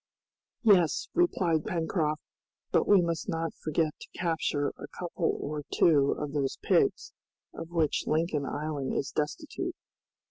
"Yes," replied Pencroft, "but we must not forget to capture a couple or two of those pigs, of which Lincoln Island is destitute."